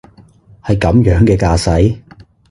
係噉樣嘅架勢？